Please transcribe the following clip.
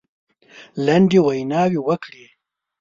لنډې ویناوي وکړې.